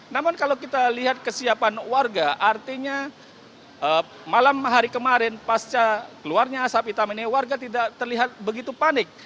namun kalau kita lihat kesiapan warga artinya malam hari kemarin pasca keluarnya asap hitam ini warga tidak terlihat begitu panik